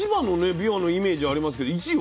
びわのイメージありますけど１位は？